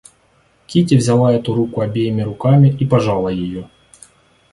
Кити взяла эту руку обеими руками и пожала ее.